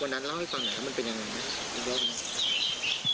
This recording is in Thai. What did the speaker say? วันนั้นเล่าให้ฟังนะมันเป็นอย่างไรนะอีกรอบนี้